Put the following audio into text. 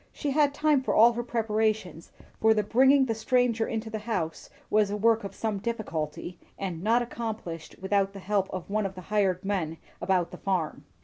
She had time for all her preparations, for the bringing the stranger to the house was a work of some difficulty, and not accomplished without the help of one of the hired men about the farm.